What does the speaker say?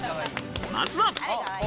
まずは。